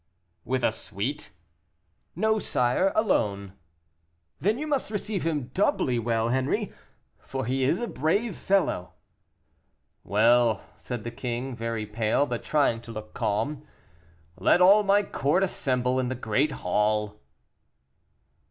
"With a suite?" "No, sire, alone." "Then you must receive him doubly well, Henri, for he is a brave fellow." "Well," said the king, very pale, but trying to look calm, "let all my court assemble in the great hall."